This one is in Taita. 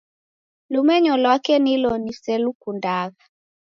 Lumenyo lwake nilo niselukundagha